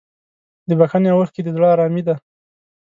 د بښنې اوښکې د زړه ارامي ده.